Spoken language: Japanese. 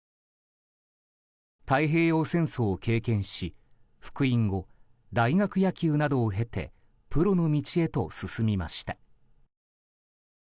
太平洋戦争を経験し、復員後大学野球などを経てプロの道へと進みました。